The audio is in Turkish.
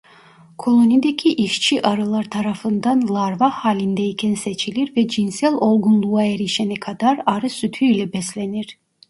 Kolonideki işçi arılar tarafından larva halindeyken seçilir ve cinsel olgunluğa erişene kadar arı sütü ile beslenir.